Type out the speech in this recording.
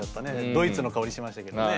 ドイツの香りしましたけどね。